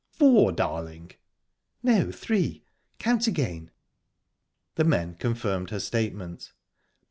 "Four, darling!" "No three. Count again." The men confirmed her statement.